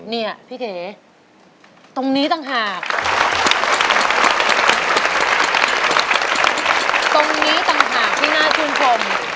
เนี่ยพี่เก๋ตรงนี้ต่างหากตรงนี้ต่างหากที่น่าชื่นชม